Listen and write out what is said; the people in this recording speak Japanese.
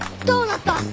どうなった！？